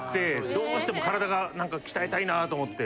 どうしても体が何か鍛えたいなと思って。